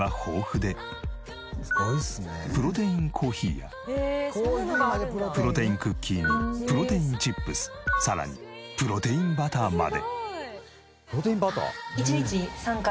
家の至る所プロテインクッキーにプロテインチップスさらにプロテインバターまで。